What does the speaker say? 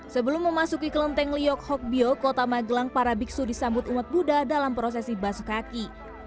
sebelum memasuki kelenteng liyok hokbio kota magelang para biksu disambut umat buddha dalam prosesi basu kaki